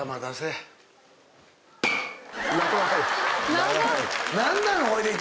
・長い！